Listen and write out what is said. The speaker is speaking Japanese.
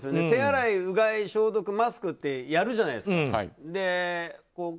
手洗い、うがい、消毒マスクってやるじゃないですか。